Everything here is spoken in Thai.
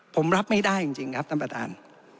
ผมรับไม่ได้จริงครับท่านประธาน